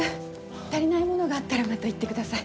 足りないものがあったらまた言ってください。